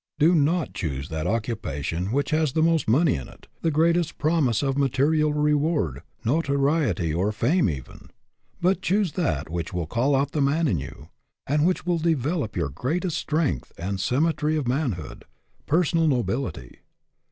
Do not choose that occupation which has HAS YOUR VOCATION APPROVAL 129 the most money in it, the greatest promise of material reward, notoriety, or fame, even ; but choose that which will call out the man in you, and which will develop your greatest strength and symmetry of manhood, personal nobility.